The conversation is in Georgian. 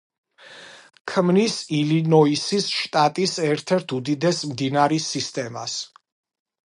ქმნის ილინოისის შტატის ერთ-ერთ უდიდეს მდინარის სისტემას.